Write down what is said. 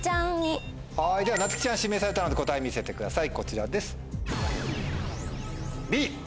はいではなつきちゃん指名されたので答え見せてくださいこちらです。